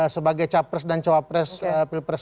sebagai capres dan cowapres pilpres dua ribu empat